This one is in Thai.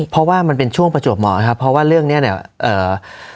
เพราะว่ามันเป็นช่วงประจวบเหมาะครับเพราะว่าเรื่องเนี้ยเนี้ยเอ่อ